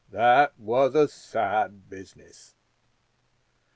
That was a sad business.